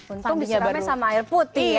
untung disiramnya sama air putih